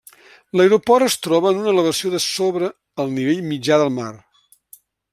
L'aeroport es troba en una elevació de sobre el nivell mitjà del mar.